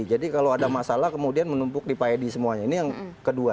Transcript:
jadi kalau ada masalah kemudian menumpuk di payd semuanya ini yang kedua